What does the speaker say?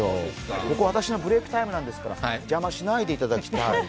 ここ私のブレークタイムなんですから邪魔しないでいただきたい。